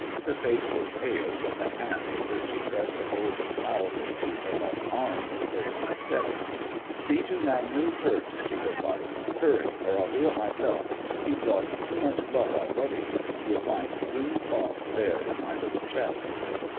Her face was pale, but the hand with which she pressed a folded towel to her left arm was perfectly steady. "See to Nanu first," she replied. "Hurry—or I'll do it myself. He's lost too much blood already. You'll find clean cloths here in my little chest."